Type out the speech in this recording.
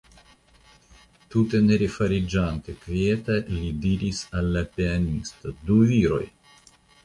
Tute ne refariĝante kvieta, li diris al la pianisto: Du viroj!